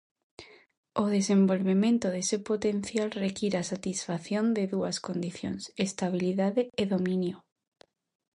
O desenvolvemento dese potencial require a satisfacción de dúas condicións: estabilidade e dominio.